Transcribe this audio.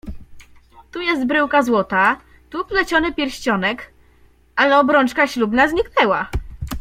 "Tu jest bryłka złota, tu pleciony pierścionek, ale obrączka ślubna zniknęła."